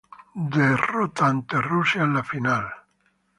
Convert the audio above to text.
Derrota ante Rusia en la final.